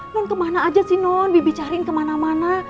non kemana aja sih non bibi cariin kemana mana